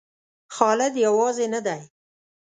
خالد یوازې نه دی.